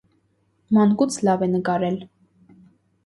Մանկուց լավ է նկարել։